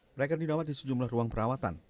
mereka dirawat di sejumlah ruang perawatan